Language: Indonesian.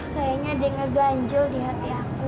kayaknya ada yang ngeganjel di hati aku